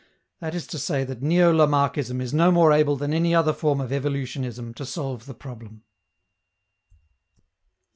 That is to say that neo Lamarckism is no more able than any other form of evolutionism to solve the problem.